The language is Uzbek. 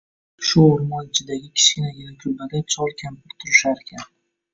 Shu oʻrmon ichidagi kichkinagina kulbada chol-kampir turisharkan